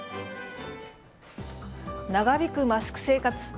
長引くマスク生活。